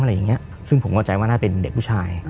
อะไรอย่างนี้ซึ่งผมเข้าใจว่าน่าเป็นเด็กผู้ชาย